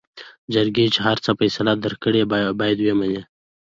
جرګې چې هر څه فيصله درکړې بايد وې منې.